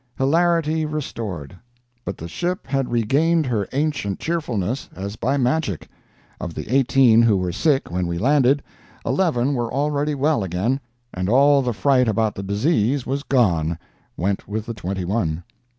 HILARITY RESTORED But the ship had regained her ancient cheerfulness as by magic. Of the eighteen who were sick when we landed, eleven were already well again, and all the fright about the disease was gone—went with the twenty one.